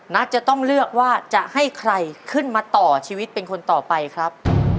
นัทจะต้องเลือกว่าจะให้ใครขึ้นมาต่อชีวิตเป็นคนต่อไปครับ